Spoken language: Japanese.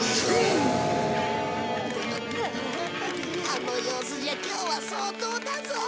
あの様子じゃ今日は相当だぞ。